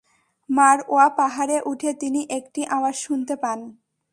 মারওয়া পাহাড়ে উঠে তিনি একটি আওয়াজ শুনতে পান।